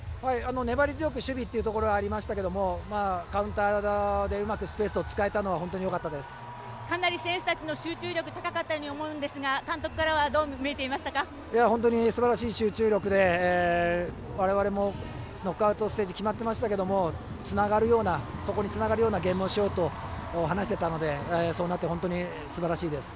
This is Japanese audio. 粘り強く守備というところがありましたがカウンター側でうまくスペースを使えたのはかなり選手たちの集中力高かったように思えるんですが監督からはすばらしい集中力で我々もノックアウトステージが決まっていましたけどそこにつながるようなゲームをしようと話していたのでそうなって本当にすばらしいです。